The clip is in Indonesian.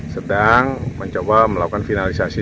sedang mencoba melakukan finalisasi